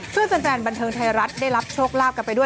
ซึ่งแฟนบันเทิงไทยรัฐได้รับโชคลาภกันไปด้วย